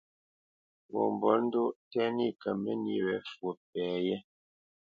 Ŋo mbolə́ndóʼ tɛ́ nî kə mə́nī wě fwo pɛ yé.